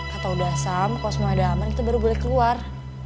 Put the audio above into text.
kata udhasam kalo semua ada aman kita baru boleh keluar